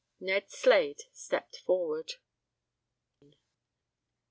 Ned Slade stepped forward.